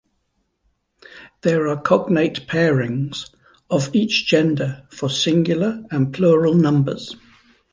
There are cognate pairings of each gender for singular and plural numbers.